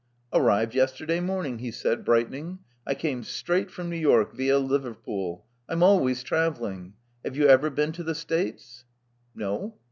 "Arrived yesterday morning," he said, brightening. *'I came straight from New York via Liverpool. I'm always traveling. Have you ever been to the States?" "No."